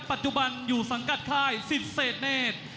ปัจจุบันอยู่สังกัดค่ายสิทธิเศษเนธ